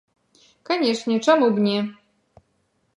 Канешне, чаму б не?